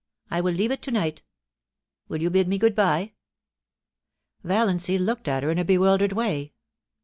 I will leave it to night Will you bid me good bye ?* Valiancy looked at her in a bewildered way.